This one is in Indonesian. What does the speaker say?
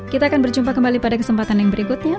kita akan berjumpa kembali pada kesempatan yang berikutnya